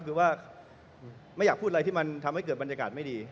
คือว่าไม่อยากพูดอะไรที่มันทำให้เกิดบรรยากาศไม่ดี